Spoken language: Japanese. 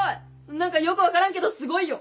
何かよく分からんけどすごいよ。